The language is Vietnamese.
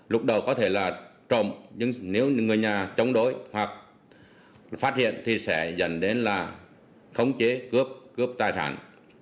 lúc đầu có thể là trộm nhưng nếu người nhà chống đối hoặc phát hiện thì sẽ dẫn đến là khống chế cướp cướp tài sản